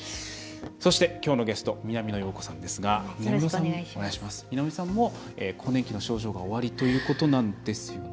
そして、きょうのゲスト南野陽子さんですが南野さんも更年期の症状がおありということなんですよね。